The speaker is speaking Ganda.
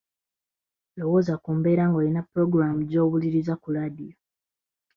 Lowooza ku mbeera ng’olina ppulogulaamu gy’owuliriza ku laadiyo.